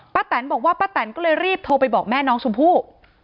แตนบอกว่าป้าแตนก็เลยรีบโทรไปบอกแม่น้องชมพู่